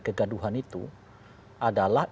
kegaduhan itu adalah